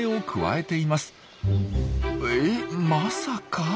えっまさか？